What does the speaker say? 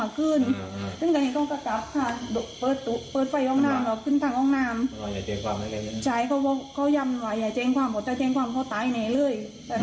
แอปเรียบร้อยเลย